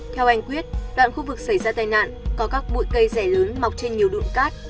theo anh quyết đoạn khu vực xảy ra tai nạn có các bụi cây rẻ lớn mọc trên nhiều đụn cát